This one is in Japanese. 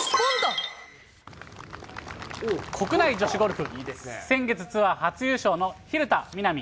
国内女子ゴルフ、先月ツアー初優勝の蛭田みな美。